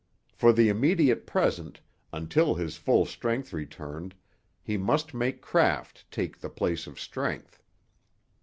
For the immediate present, until his full strength returned, he must make craft take the place of strength.